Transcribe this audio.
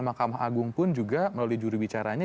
mahkamah agung pun juga melalui juri bicaranya